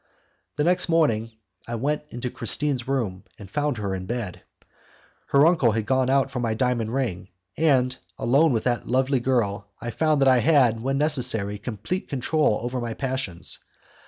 The next morning, I went into Christine's room, and found her in bed. Her uncle had gone out for my diamond ring, and alone with that lovely girl, I found that I had, when necessary, complete control over my passions.